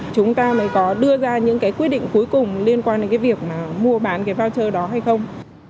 chúng ta mới có đưa ra những quyết định cuối cùng liên quan đến việc mua bán voucher đó hay không